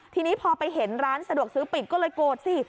ทีนี้พอไปเห็นร้านสะดวกซื้อปิดก็เลยโกรธสิ